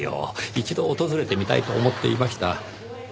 一度訪れてみたいと思っていました。